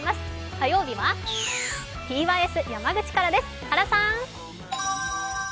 火曜日はｔｙｓ、山口からです。